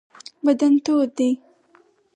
بدن تود دی.